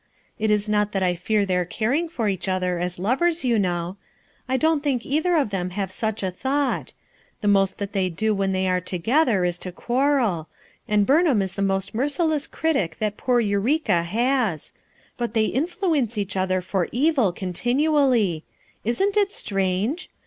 It is not that I fear their caring for each other as lovers, you know; I don't think either of them have such a thought; the most that they do when they are together is to quarrel, and Burnham is the most merciless 66 FOUR MOTHERS AT CHAUTAUQUA critic that poor Eureka has ; but they influence each other for evil continually. Isn't it strange?